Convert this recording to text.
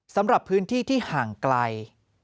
สำหรับพื้นที่ที่ห่างไกล